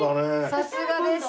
さすがです。